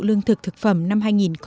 lương thực thực phẩm năm hai nghìn một mươi